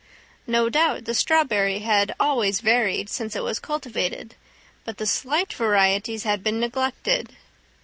No doubt the strawberry had always varied since it was cultivated, but the slight varieties had been neglected.